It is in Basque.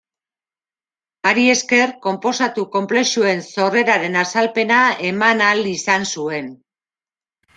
Hari esker, konposatu konplexuen sorreraren azalpena eman ahal izan zuen.